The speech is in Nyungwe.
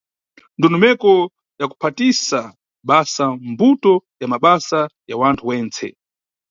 Ndondomeko ya Kuphatisa basa mbuto na Mabasa ya wanthu wentse.